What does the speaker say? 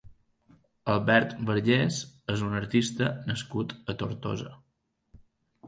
Albert Vergés és un artista nascut a Tortosa.